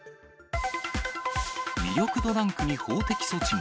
魅力度ランクに法的措置も。